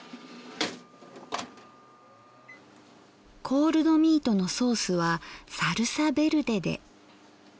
コールドミートのソースはサルサベルデで。